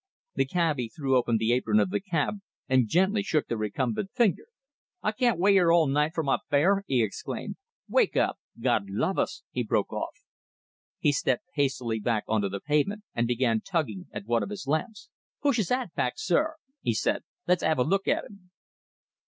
The cabby threw open the apron of the cab and gently shook the recumbent figure. "I can't wait 'ere all night for my fare!" he exclaimed. "Wake up, God luv us!" he broke off. He stepped hastily back on to the pavement, and began tugging at one of his lamps. "Push his hat back, sir," he said. "Let's 'ave a look at 'im."